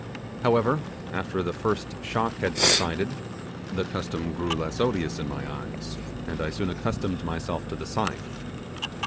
However, after the first shock had subsided, the custom grew less odious in my eyes, and I soon accustomed myself to the sight.